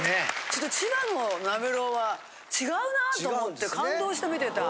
ちょっと千葉のなめろうは違うなと思って感動して見てた。